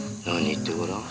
言ってごらん。